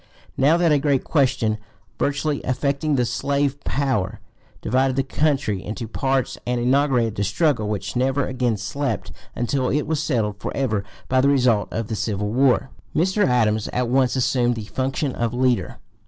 Now that a great question, vitally (p. 244) affecting the slave power, divided the country into parties and inaugurated the struggle which never again slept until it was settled forever by the result of the civil war, Mr. Adams at once assumed the function of leader.